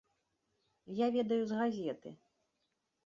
Я ведаю з газеты.